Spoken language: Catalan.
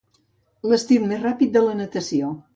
L'estil més ràpid de la natació.